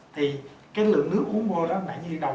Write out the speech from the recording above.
thì cái lượng nước uống vô đó nãy như